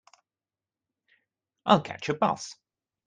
I'll catch a bus.